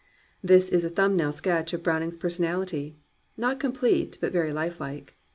This is a thumb nail sketch of Browning's personal ity, — not complete, but very lifelike.